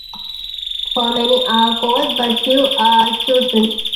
For many are called, but few are chosen.